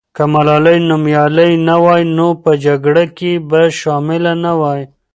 که ملالۍ نومیالۍ نه وای، نو په جګړه کې به شامله نه وای.